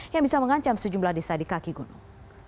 yang bisa mengancam sejumlah desa di kaki gunung